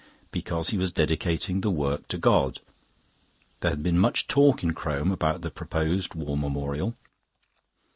Because he was dedicating the work to God. There had been much talk in Crome about the proposed War Memorial.